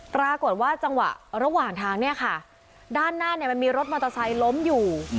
ปรากฏว่าจังหวะระหว่างทางเนี่ยค่ะด้านหน้าเนี่ยมันมีรถมอเตอร์ไซค์ล้มอยู่